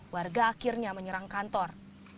warga akhirnya menyerang kantor